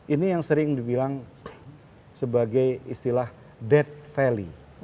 ini yang sering dibilang sebagai istilah dead value